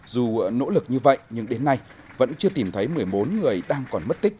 dù nỗ lực như vậy nhưng đến nay vẫn chưa tìm thấy một mươi bốn người đang còn mất tích